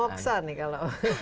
sudah moksa nih kalau